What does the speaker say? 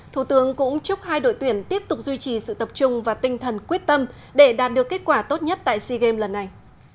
thủ tướng cũng chúc hai đội tuyển tiếp tục duy trì sự tập trung và tinh thần quyết tâm để đạt được kết quả tốt nhất tại sea games lần này